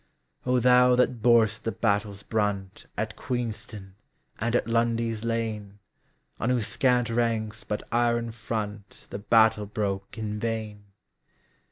O Thou that bor'st the battle's bruntAt Queenston, and at Lundy's Lane:On whose scant ranks but iron frontThe battle broke in vain!